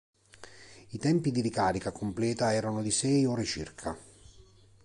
I tempi di ricarica completa erano di sei ore circa.